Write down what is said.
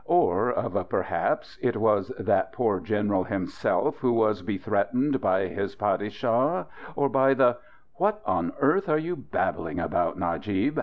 Or, of a perhaps, it was that poor general himself who was bethreatened by his padishah or by the " "What on earth are you babbling about, Najib?"